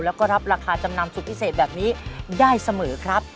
แล้วก็รับราคาจำนำสุดพิเศษแบบนี้ได้เสมอครับ